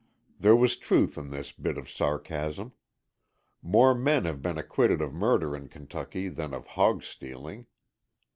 There was truth in this bit of sarcasm. More men have been acquitted of murder in Kentucky than of hogstealing.